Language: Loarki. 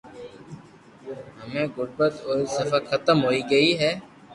ھمو غربت اپوري صفا ختم ھوئي گئي ھي